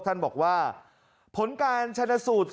ท่านบอกว่าผลการชนะสูตร